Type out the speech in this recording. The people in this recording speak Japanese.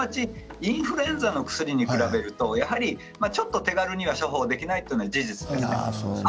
インフルエンザの薬に比べるとやはり手軽には処方できないのが事実です。